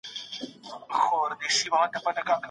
هغه بڼوال چي دلته دی، په اوږه باندي ګڼ توکي راوړي.